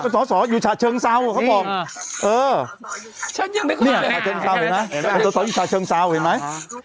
สอสออยู่ชาเชิงเศร้าเขาบอกเออชาเชิงเศร้าอยู่ชาเชิงเศร้าเห็นไหม